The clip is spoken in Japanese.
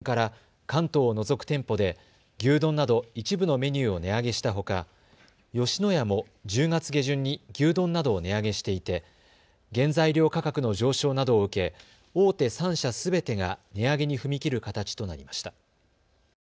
牛丼チェーンでは松屋が、ことし９月下旬から関東を除く店舗で牛丼など一部のメニューを値上げしたほか吉野家も１０月下旬に牛丼などを値上げしていて原材料価格の上昇などを受け大手３社すべてが値上げに踏み切る形となりました。